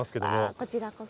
こちらこそ。